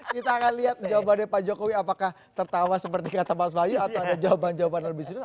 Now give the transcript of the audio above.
kita akan lihat jawabannya pak jokowi apakah tertawa seperti kata mas wahyu atau ada jawaban jawaban lebih serius